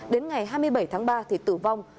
đến ngày hai mươi bảy tháng ba thì tử vong